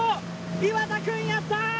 岩田くんやった！